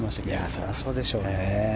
それはそうでしょうね。